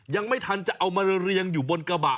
ยังไม่ทันจะเอามาเรียงอยู่บนกระบะ